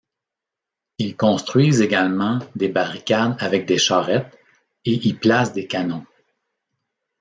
Ils construisent également des barricades avec des charrettes et y placent des canons.